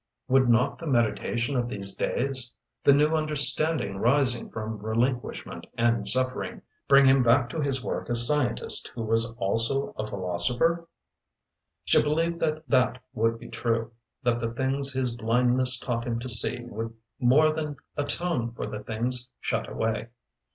Would not the meditation of these days, the new understanding rising from relinquishment and suffering, bring him back to his work a scientist who was also philosopher? She believed that that would be true, that the things his blindness taught him to see would more than atone for the things shut away.